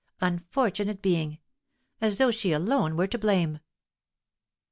Unfortunate being! as though she alone were to blame."